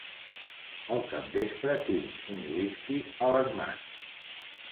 Al capvespre tinc un whisky a les mans.